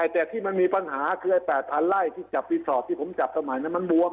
แต่ที่มันมีปัญหาคือไอ้๘๐๐ไร่ที่จับรีสอร์ทที่ผมจับสมัยนั้นมันบวม